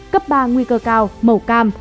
cấp ba nguy cơ cao màu cam